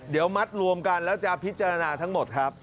เดี๋ยวมัดรวมกันแล้วจะพิจารณาทั้งหมดครับ